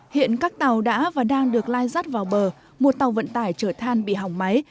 hiện các tàu đã và đang được lai rắt vào bờ một tàu vận tải chở than bị hỏng máy